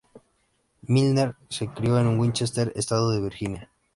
Milner se crio en Winchester, estado de Virginia.